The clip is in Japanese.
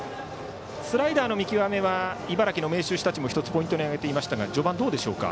スライダーの見極めは茨城の明秀日立も１つポイントに上げていましたが序盤はどうでしょうか？